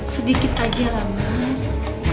sedikit aja lah mas